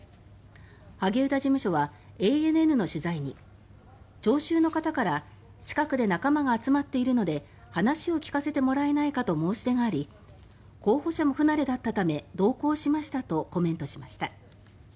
萩生田事務所はテレビ朝日の取材に「聴衆の方から「近くで仲間が集まっているので話を聞かせてもらえないか」と申し出があり候補者も不慣れだったため同行しました」とコメントしました。